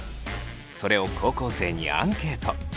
それを高校生にアンケート。